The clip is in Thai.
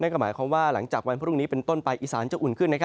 ก็หมายความว่าหลังจากวันพรุ่งนี้เป็นต้นไปอีสานจะอุ่นขึ้น